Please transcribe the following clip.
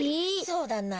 そうだな。